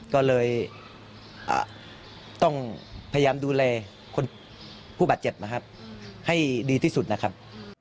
ก็เลยต้องพยายามดูแลผู้บาดเจ็บนะครับให้ดีที่สุดนะครับ